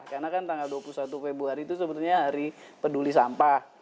karena kan tanggal dua puluh satu februari itu sebetulnya hari peduli sampah